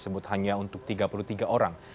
sebut hanya untuk tiga puluh tiga orang